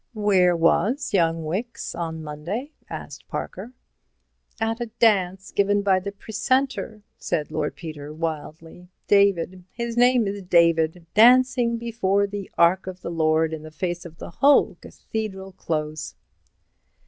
"Where was young Wicks on Monday?" asked Parker. "At a dance given by the Precentor," said Lord Peter, wildly. "David—his name is David—dancing before the ark of the Lord in the face of the whole Cathedral Close."